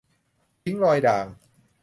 ทิ้งรอยด่าง